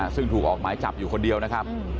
ซึ่งถูกออกหมายจับอยู่คนเดียวนะครับ